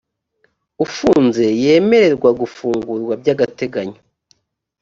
ufunzwe yemererwa gufungurwa by’agateganyo